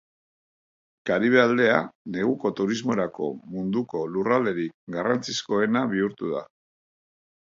Karibe aldea neguko turismorako munduko lurralderik garrantzizkoena bihurtu da.